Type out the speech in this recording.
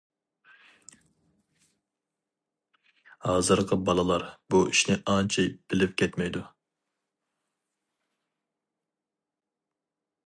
ھازىرقى بالىلار بۇ ئىشنى ئانچە بىلىپ كەتمەيدۇ.